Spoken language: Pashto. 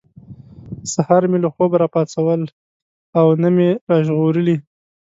سهار مې له خوبه را پاڅول او نه مې را ژغورلي.